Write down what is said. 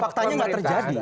faktanya nggak terjadi